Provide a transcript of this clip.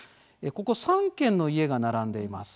ここ３軒の家が並んでいます。